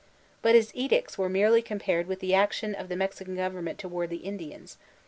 But his edicts were mercy compared with the action of the Mexican government toward the Indians.